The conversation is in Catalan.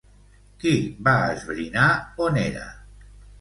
Qui va esbrinar on era?